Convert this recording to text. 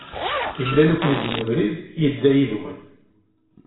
Yemlal-iken-id deg ubrid, yedda yid-wen.